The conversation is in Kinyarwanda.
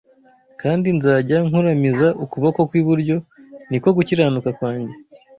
kandi nzajya nkuramiza ukuboko kw’iburyo, ni ko gukiranuka kwanjye